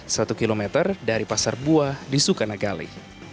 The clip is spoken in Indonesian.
satu km dari pasar buah di sukanagali